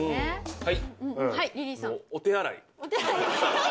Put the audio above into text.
はい。